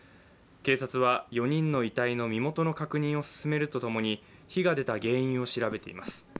警察は４人の遺体の身元の確認を進めるとともに火が出た原因を調べています。